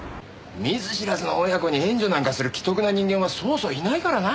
見ず知らずの親子に援助なんかする奇特な人間はそうそういないからな。